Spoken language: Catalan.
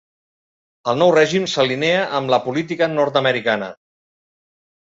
El nou règim s'alinea amb la política nord-americana.